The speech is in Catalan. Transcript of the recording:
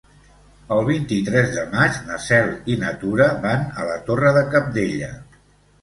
El vint-i-tres de maig na Cel i na Tura van a la Torre de Cabdella.